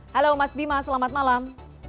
halo mas bima selamat malam